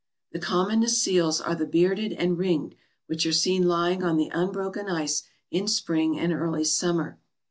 The commonest seals are the bearded and ringed, which are seen lying on the unbroken ice in spring and early summer.